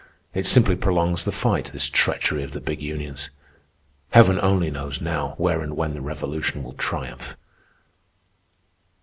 It simply prolongs the fight, this treachery of the big unions. Heaven only knows now where and when the Revolution will triumph."